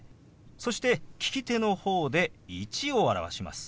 そして利き手の方で「１」を表します。